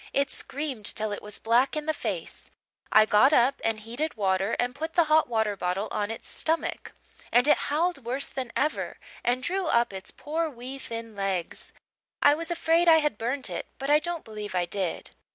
It screamed till it was black in the face; I got up and heated water and put the hot water bottle on its stomach, and it howled worse than ever and drew up its poor wee thin legs. I was afraid I had burnt it but I don't believe I did.